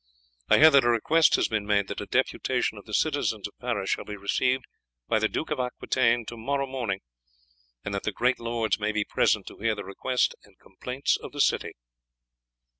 I hear that a request has been made that a deputation of the citizens of Paris shall be received by the Duke of Aquitaine to morrow morning, and that the great lords may be present to hear the request and complaints of the city."